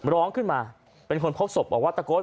ร้องขึ้นมาเป็นคนพบศพบอกว่าตะโกน